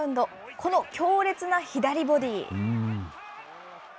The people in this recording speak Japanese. この強烈な左ボディー。